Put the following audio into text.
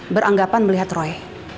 beranggapan melihat roy